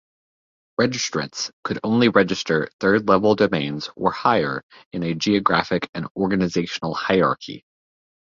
Registrants could only register third-level domains or higher in a geographic and organizational hierarchy.